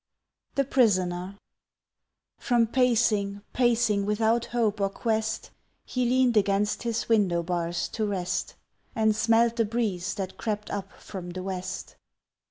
The Prisoner From pacing, pacing without hope or quest He leaned against his window bars to rest And smelt the breeze that crept up from the west.